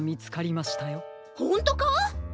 ほんとか？